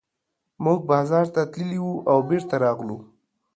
موږ بازار ته تللي وو او بېرته راغلو.